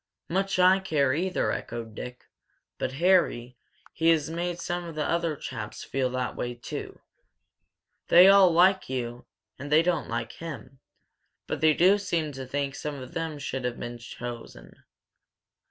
"Much I care, either!" echoed Dick. "But, Harry, he has made some of the other chaps feel that way, too. They all like you, and they don't like him. But they do seem to think some of them should have been chosen."